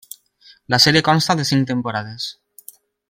La sèrie consta de cinc temporades.